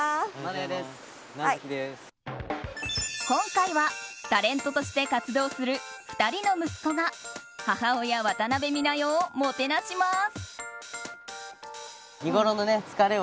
今回はタレントとして活動する２人の息子が母親・渡辺美奈代をもてなします。